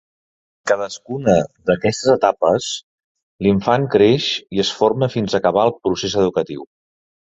En cadascuna d'aquestes etapes, l'infant creix i es forma fins a acabar el procés educatiu.